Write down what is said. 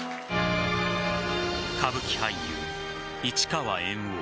歌舞伎俳優・市川猿翁。